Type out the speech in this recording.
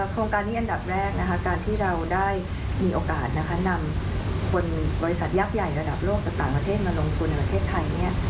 โครงการนี้อันดับแรกนะคะการที่เราได้มีโอกาสนะคะนำคนบริษัทยักษ์ใหญ่ระดับโลกจากต่างประเทศมาลงทุนในประเทศไทย